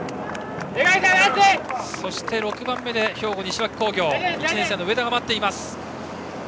そして６番目で兵庫・西脇工業１年生の上田が待っています。